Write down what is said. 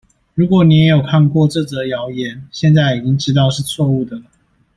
如果你也有看過這則謠言，現在已經知道是錯誤的了